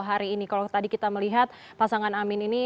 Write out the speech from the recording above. hari ini kalau tadi kita melihat pasangan amin ini